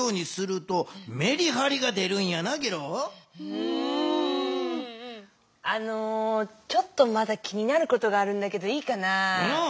せんりつの形をちょっとまだ気になることがあるんだけどいいかな。